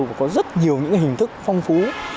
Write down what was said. và có rất nhiều những hình thức phong phú